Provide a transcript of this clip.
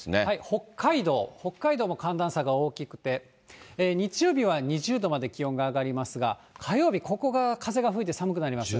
北海道、北海道も寒暖差が大きくて、日曜日は２０度まで気温が上がりますが、火曜日、ここが風が吹いて寒くなります。